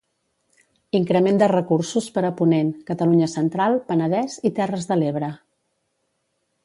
Increment de recursos per a Ponent, Catalunya Central, Penedès i Terres de l'Ebre.